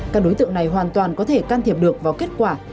các đối tượng này hoàn toàn có thể can thiệp được vào kết quả